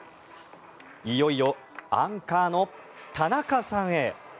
いよいよアンカーの田中さんへ。